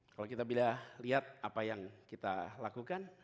kalau kita bila lihat apa yang kita lakukan